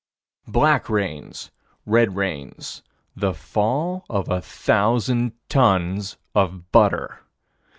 Black rains red rains the fall of a thousand tons of butter.